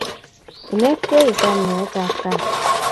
Inet kei isom nyoet ab kaat